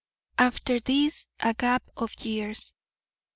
After this, a gap of years.